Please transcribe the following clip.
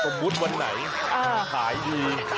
สมมุติวันไหนขายดี